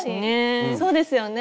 そうですね。